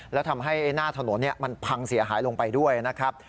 แล้วทำให้หน้าถนนมันพังเสียหายลงไปด้วยนะครับ